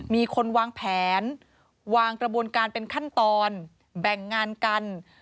มีคนวางแผนวางกระบวนการเป็นขั้นตอนแบ่งงานกัน